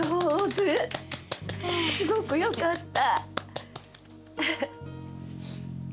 すごくよかった！